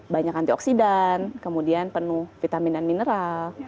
banyak antioksidan kemudian penuh vitamin dan mineral